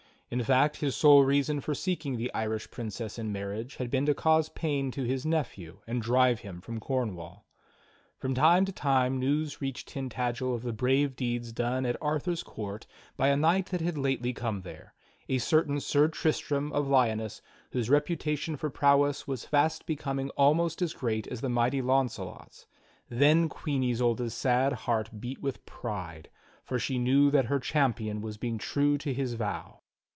In fact his sole reason for seeking the Irish Princess in marriage had been to cause pain to his nephew and drive him from Cornwall. From time to time news reached Tintagel of the brave deeds done at Arthur's court by a knight that had lately come there — a certain Sir Tristram of Lyoness whose reputation for prowess was fast becoming almost as great as the mighty Launcelot's. Then Queen Isolda's sad heart beat with pride, for she knew that her cham pion was being true to his vow.